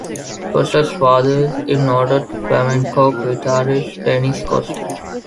Koster's father is noted flamenco guitarist, Dennis Koster.